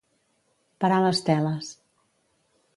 Parar les teles.